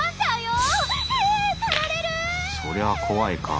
そりゃ怖いか。